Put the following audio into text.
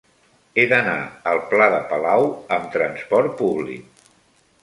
He d'anar al pla de Palau amb trasport públic.